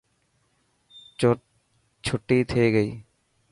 ڇوٽي ٿي گئي.